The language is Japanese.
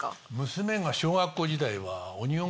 娘が小学校時代は。